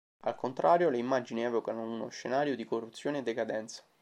Al contrario, le immagini evocano uno scenario di corruzione e decadenza.